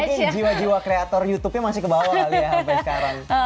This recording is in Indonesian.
mungkin jiwa jiwa kreator youtube nya masih kebawah kali ya sampai sekarang